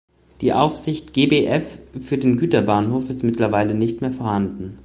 Die Aufsicht "Gbf" für den Güterbahnhof ist mittlerweile nicht mehr vorhanden.